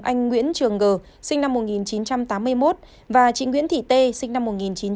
anh nguyễn trường g sinh năm một nghìn chín trăm tám mươi một và chị nguyễn thị tê sinh năm một nghìn chín trăm tám mươi